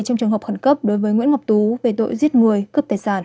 trong trường hợp khẩn cấp đối với nguyễn ngọc tú về tội giết người cướp tài sản